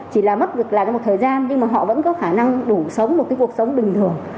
chỉ là mất được lại một thời gian nhưng mà họ vẫn có khả năng đủ sống một cuộc sống bình thường